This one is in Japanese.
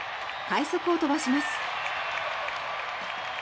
快足を飛ばします。